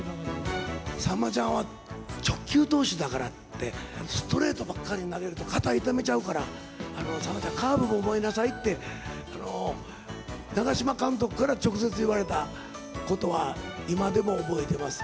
さんまちゃんは直球投手だからって、ストレートばっかり投げると肩痛めちゃうから、さんまちゃん、カーブも覚えなさいって、長嶋監督から直接言われたことは、今でも覚えてます。